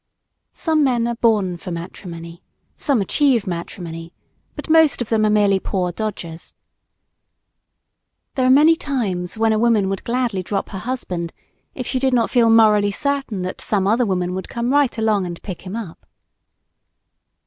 Some men are born for matrimony, some achieve matrimony but most of them are merely poor dodgers. There are many times when a woman would gladly drop her husband, if she did not feel morally certain that some other woman would come right along and pick him up.